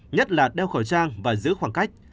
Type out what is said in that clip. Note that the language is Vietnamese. nhất là đeo khẩu trang và giữ khoảng cách